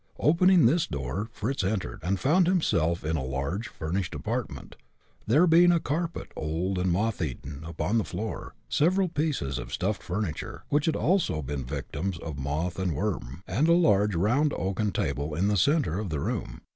Opening this door, Fritz entered, and found himself in a large furnished apartment, there being a carpet, old and moth eaten, upon the floor; several pieces of stuffed furniture, which had also been victims of moth and worm, and a large round oaken table in the center of the room.